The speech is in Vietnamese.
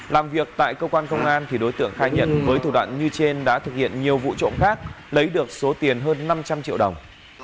làm việc tại cơ quan công an thì đối tượng khai nhận với thủ đoạn như trên đã thực hiện nhiều vụ trộm khác lấy được số tiền hơn năm trăm linh triệu đồng